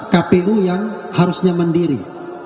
kpu yang harusnya mandiri